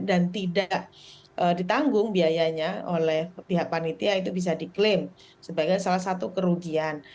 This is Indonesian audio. dan tidak ditanggung biayanya oleh pihak panitia itu bisa diklaim sebagai salah satu kerugian